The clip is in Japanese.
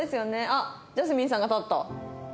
あっジャスミンさんが立った。